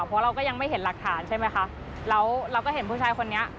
เพราะเราก็ยังไม่เห็นหลักฐานใช่ไหมคะแล้วเราก็เห็นผู้ชายคนนี้